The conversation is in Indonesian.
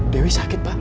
dewi sakit pak